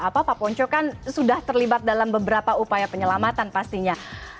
pak ponco kan sudah terlibat dalam beberapa upaya penyelamatan pastinya